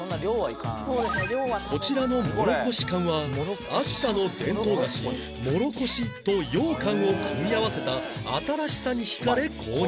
こちらのもろこし羹は秋田の伝統菓子もろこしと羊羹を組み合わせた新しさに惹かれ購入